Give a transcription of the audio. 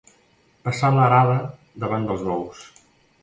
Passar l'arada davant dels bous.